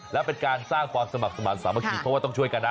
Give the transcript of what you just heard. และเป็นการสร้างความสมัครสมาธิสามัคคีเพราะว่าต้องช่วยกันนะ